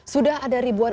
sudah ada ribuan